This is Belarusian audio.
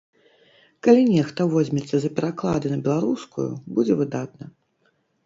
Калі нехта возьмецца за пераклады на беларускую, будзе выдатна.